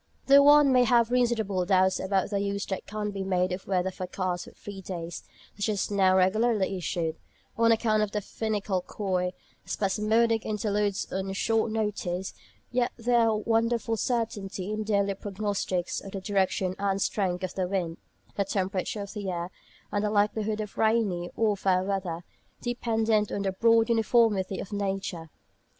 Though one may have reasonable doubts about the use that can be made of weather forecasts for three days, such as are now regularly issued, on account of the finical, coy, spasmodic interludes on short notice, yet there is a wonderful certainty in the daily prognostics of the direction and strength of the wind, the temperature of the air, and the likelihood of rainy or fair weather, dependent on the broad uniformity of nature.